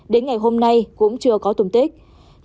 đến ngày hôm nay cũng chưa có tùm tích